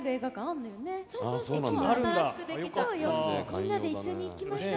みんなで一緒に行きましょう。